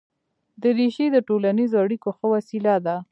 دریشي د ټولنیزو اړیکو ښه وسیله ده.